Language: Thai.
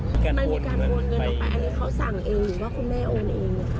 มันมีการโอนเงินออกไปอันนี้เขาสั่งเองหรือว่าคุณแม่โอนเอง